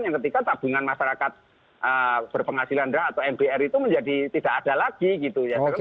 yang ketiga tabungan masyarakat berpenghasilan rendah atau mbr itu menjadi tidak ada lagi gitu ya